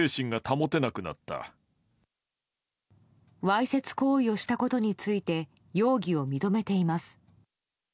わいせつ行為をしたことについて容疑を認めています。